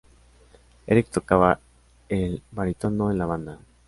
Eric tocaba el barítono en la banda.